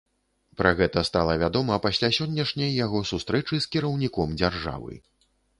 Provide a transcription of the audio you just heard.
Пра гэта стала вядома пасля сённяшняй яго сустрэчы з кіраўніком дзяржавы.